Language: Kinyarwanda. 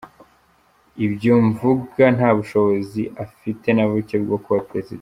Ibyo mvuga, nta bushobozi afite na buke bwo kuba perezida.